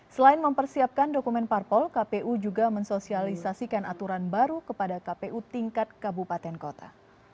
selain mempersiapkan dokumen parpol kpu juga mensosialisasikan aturan baru kepada kpu tingkat kabupaten kota